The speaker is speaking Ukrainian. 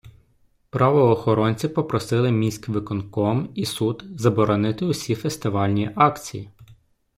Правоохоронці попросили міськвиконком і суд заборонити усі фестивальні акції.